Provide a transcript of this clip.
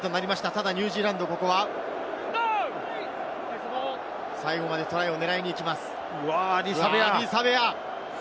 ただニュージーラン、ここは、最後までトライを狙いにいきます。